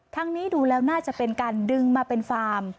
นี้ดูแล้วน่าจะเป็นการดึงมาเป็นฟาร์ม